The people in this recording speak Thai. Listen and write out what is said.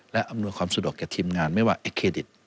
และอำนวยความสะดวกกับทีมงานไม่ว่าไอ้เครดิต